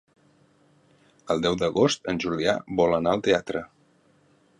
El deu d'agost en Julià vol anar al teatre.